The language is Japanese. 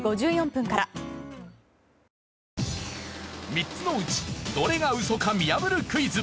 ３つのうちどれがウソか見破るクイズ。